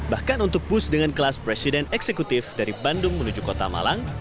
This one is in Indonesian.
bahkan untuk bus dengan kelas presiden eksekutif dari bandung menuju kota malang